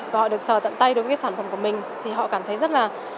và họ được sờ tận tay đối với sản phẩm của mình thì họ cảm thấy rất là